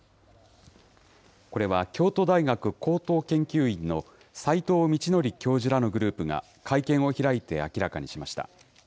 これは京都大学高等研究院の斎藤通紀教授らのグループが、会見を開いて明らかにしました。